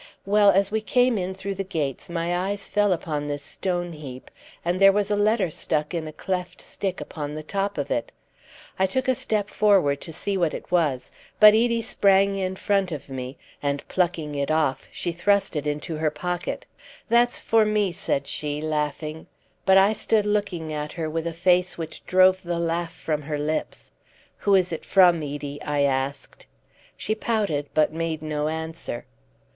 Well, as we came in through the gates my eyes fell upon this stone heap, and there was a letter stuck in a cleft stick upon the top of it. I took a step forward to see what it was, but Edie sprang in front of me, and plucking it off she thrust it into her pocket. "That's for me," said she, laughing. But I stood looking at her with a face which drove the laugh from her lips. "Who is it from, Edie?" I asked. She pouted, but made no answer.